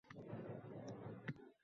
Yo’q o’zga dil rozim